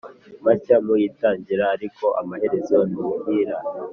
mashya mu itangira, ariko amaherezo ntuhira